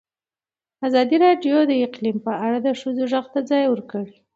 ازادي راډیو د اقلیم په اړه د ښځو غږ ته ځای ورکړی.